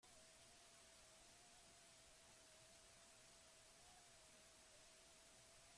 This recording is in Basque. Euskararen inguruko negoziazioek porrot egin dute.